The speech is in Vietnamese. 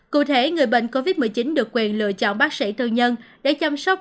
cụ thể người bệnh covid một mươi chín được quyền lựa chọn bác sĩ tư nhân để chăm sóc